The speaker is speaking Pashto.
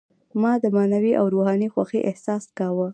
ما د معنوي او روحاني خوښۍ احساس کاوه.